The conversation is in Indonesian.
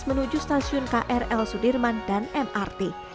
menuju stasiun krl sudirman dan mrt